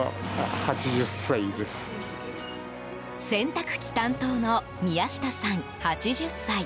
洗濯機担当の宮下さん、８０歳。